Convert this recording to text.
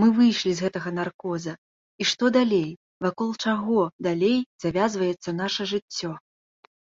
Мы выйшлі з гэтага наркоза, і што далей, вакол чаго далей завязваецца наша жыццё?